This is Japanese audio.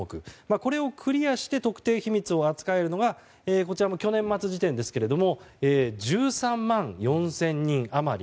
これをクリアして特定秘密を扱えるのが去年末時点ですが１３万４０００人余り。